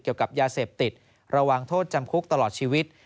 เกี่ยวกับยาเสพติดระวังโทษจำคุกตลอดชีวิต